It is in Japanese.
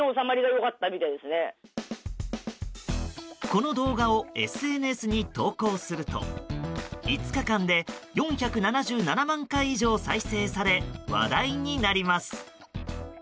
この動画をＳＮＳに投稿すると５日間で４７７万回以上再生され話題になります。